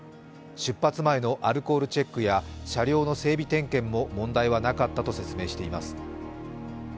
出発前のアルコールチェックや車両の整備点検も問題はなかったと説明しています。